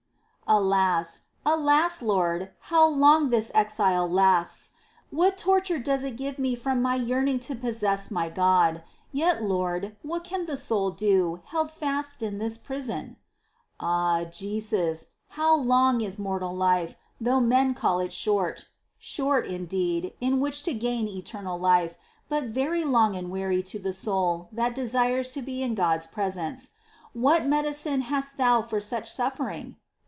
Alas, alas. Lord ! how long this exile lasts ! What torture does it give me from my yearning to possess my God ! Yet, Lord, what can the soul do, held fast in this prison ?■ 1 Milner, etc., Excl.* XV. EXCLAMATIONS. Í03 2. Ah, Jesus, how long is mortal life, though men call it short ! Short, indeed, in which to gain eternal life, but very long and weary to the soul that desires to be in God's presence ! What medicine hast Thou for such suffering